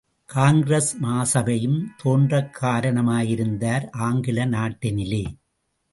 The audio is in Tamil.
காங்கிரஸ் மாசபையும் தோன்றக் காரண மாயிருந்தார் ஆங்கில நாட்டினிலே!